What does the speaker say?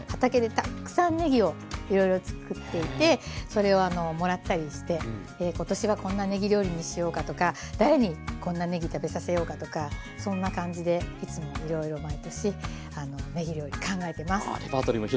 ねぎをいろいろ作っていてそれをもらったりして今年はこんなねぎ料理にしようかとか誰にこんなねぎ食べさせようかとかそんな感じでいつもいろいろ毎年ねぎ料理考えてます。